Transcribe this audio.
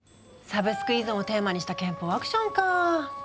サブスク依存をテーマにした拳法アクションかぁ。